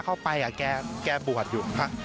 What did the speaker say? เข้าไปแกบวชอยู่